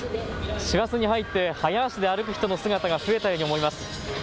師走に入って早足で歩く人の姿が増えたように思います。